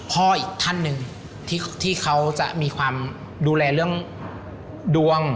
อีกท่านหนึ่งที่เขาจะมีความดูแลเรื่องดวง